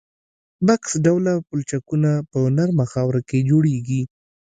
بکس ډوله پلچکونه په نرمه خاوره کې جوړیږي